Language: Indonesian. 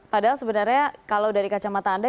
padahal sebenarnya kalau dari kacamata anda